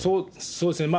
そうですね。